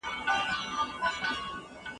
لوستونکی د دې هڅې ګټه اخلي.